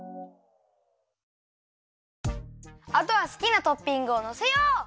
あとはすきなトッピングをのせよう！